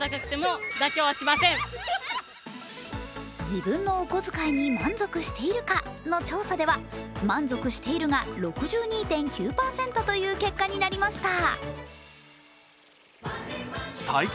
自分のお小遣いに満足しているかの調査では「満足している」が６２．９％という結果になりました。